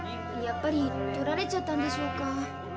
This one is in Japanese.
やっぱりとられちゃったんでしょうか。